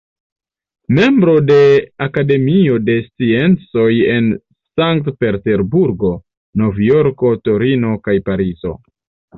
Membro de Akademio de Sciencoj en Sankt-Peterburgo, Nov-Jorko, Torino kaj Parizo.